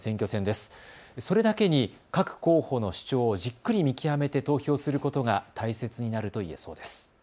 それだけに各候補の主張をじっくり見極めて投票することが大切になると言えそうです。